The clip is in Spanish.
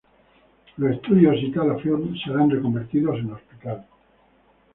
Los estudios Itala Film serán reconvertidos en hospital.